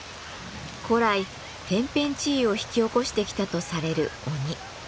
古来天変地異を引き起こしてきたとされる鬼。